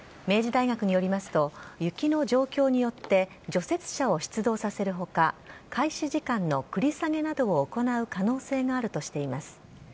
明治大学によりますと、雪の状況によって、除雪車を出動させるほか、開始時間の繰り下げなどを行う可能性があるとしています。